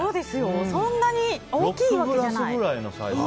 そんなに大きいわけじゃない。